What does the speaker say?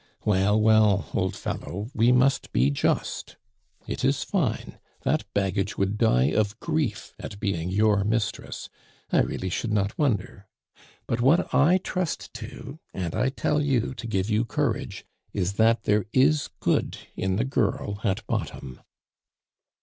Well, well, old fellow, we must be just. It is fine! That baggage would die of grief at being your mistress I really should not wonder. But what I trust to, and I tell you to give you courage, is that there is good in the girl at bottom."